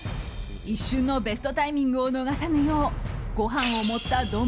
一瞬のベストタイミングを逃さぬようご飯を盛った丼